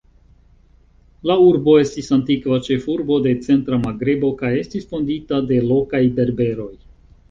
La urbo estis antikva ĉefurbo de centra Magrebo, kaj estis fondita de lokaj Berberoj.